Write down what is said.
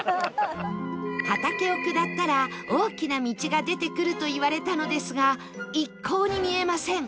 畑を下ったら大きな道が出てくると言われたのですが一向に見えません